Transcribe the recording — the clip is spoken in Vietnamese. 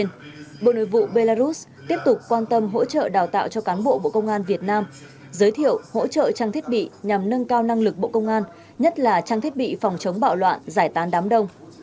tuy nhiên bộ nội vụ belarus tiếp tục quan tâm hỗ trợ đào tạo cho cán bộ bộ công an việt nam giới thiệu hỗ trợ trang thiết bị nhằm nâng cao năng lực bộ công an nhất là trang thiết bị phòng chống bạo loạn giải tán đám đông